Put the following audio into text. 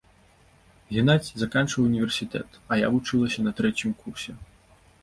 Генадзь заканчваў універсітэт, а я вучылася на трэцім курсе.